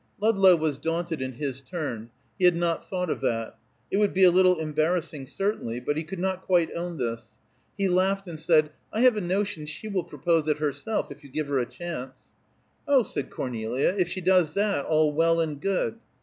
Ludlow was daunted in his turn; he had not thought of that. It would be a little embarrassing, certainly, but he could not quite own this. He laughed and said, "I have a notion she will propose it herself, if you give her a chance." "Oh," said Cornelia, "if she does that, all well and good."